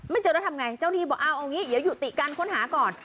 ไม่เจอแล้วทำไงเจ้าหนีบอกเอาอย่างงี้อย่าอยู่ติกันค้นหาก่อน